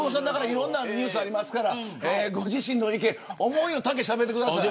いろんなニュースありますからご自身の意見思いの丈しゃべってください。